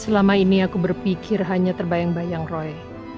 selama ini aku berpikir hanya terbayang bayang roy